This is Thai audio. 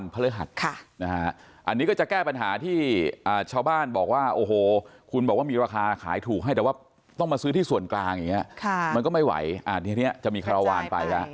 แพ็คหนึ่งมี๔ชิ้น